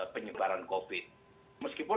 penyebaran covid meskipun